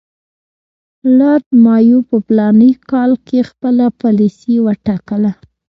لارډ مایو په فلاني کال کې خپله پالیسي وټاکله.